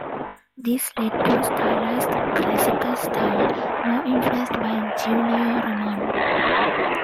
This led to a stylized classical style, more influenced by Giulio Romano.